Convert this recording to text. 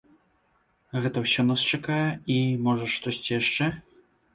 Гэта ўсё нас чакае і, можа, штосьці яшчэ?